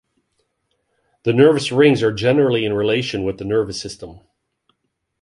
The nervous rings are generally in relation with the nervous system.